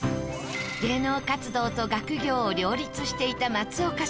芸能活動と学業を両立していた松岡さん。